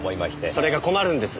それが困るんです。